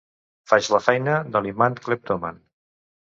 Faig la feina de l'imant cleptòman.